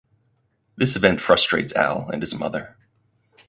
This event frustrates Al and his mother.